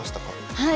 はい。